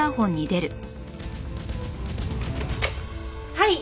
はい。